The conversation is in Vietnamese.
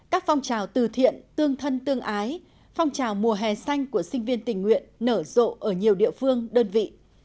các phong trào từ thiện tương thân tương ái phong trào mùa hè xanh của sinh viên tình nguyện nở rộ ở nhiều địa phương đơn vị